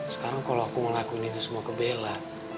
sekarang kalau aku ngelakuin ini semua ke bella